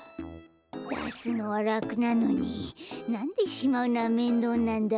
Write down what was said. だすのはらくなのになんでしまうのはめんどうなんだろう。